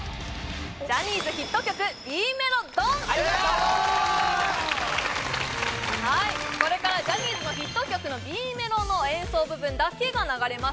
まずこれからジャニーズのヒット曲のＢメロの演奏部分だけが流れます